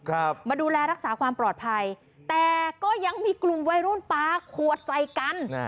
มาดูแลรักษาความปลอดภัยแต่ก็ยังมีกลุ่มวัยรุ่นปลาขวดใส่กัน